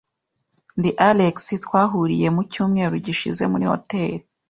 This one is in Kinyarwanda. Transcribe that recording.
Ndi Alex, Twahuriye mu cyumweru gishize muri hoteri.